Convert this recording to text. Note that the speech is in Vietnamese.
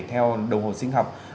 theo đồng hồ sinh học